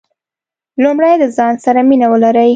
لومړی د ځان سره مینه ولرئ .